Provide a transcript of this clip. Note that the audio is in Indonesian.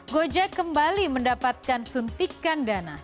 gojek kembali mendapatkan suntikan dana